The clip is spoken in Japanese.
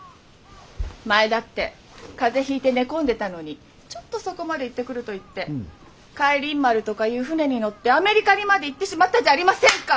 前だって風邪ひいて寝込んでたのにちょっとそこまで行ってくると言って咸臨丸とかいう船に乗ってアメリカにまで行ってしまったじゃありませんか！